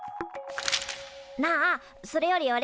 なあそれよりおれ